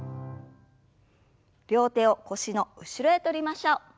両手を腰の後ろへ取りましょう。